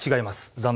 残念。